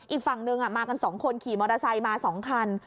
อีกฝั่งนึงมากัน๒คนขี่มอเตอร์ไซค์มา๒คัน